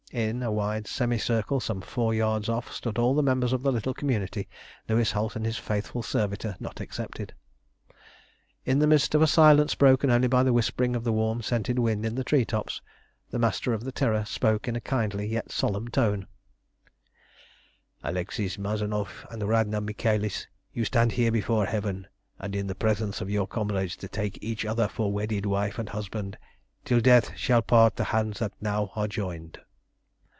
In a wide semicircle some four yards off stood all the members of the little community, Louis Holt and his faithful servitor not excepted. In the midst of a silence broken only by the whispering of the warm, scented wind in the tree tops, the Master of the Terror spoke in a kindly yet solemn tone "Alexis Mazanoff and Radna Michaelis, you stand here before Heaven, and in the presence of your comrades, to take each other for wedded wife and husband, till death shall part the hands that now are joined!